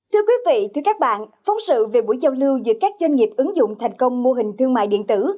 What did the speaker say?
thưa quý vị thưa các bạn phóng sự về buổi giao lưu giữa các doanh nghiệp ứng dụng thành công mô hình thương mại điện tử